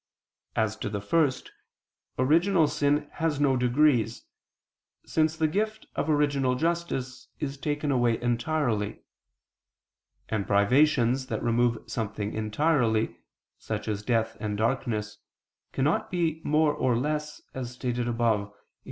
As to the first, original sin has no degrees, since the gift of original justice is taken away entirely; and privations that remove something entirely, such as death and darkness, cannot be more or less, as stated above (Q.